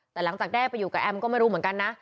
แต่หลังจากได้ไปอยู่กับแอมก็ไม่รู้เหมือนกันนะ